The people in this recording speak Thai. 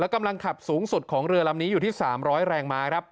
กำลังขับสูงสุดของเรือลำนี้อยู่ที่๓๐๐แรงม้าครับ